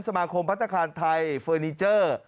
สมาคมพัฒนาคารไทยเฟอร์นิเจอร์